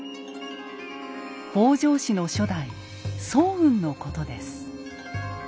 北条氏の初代早雲のことです。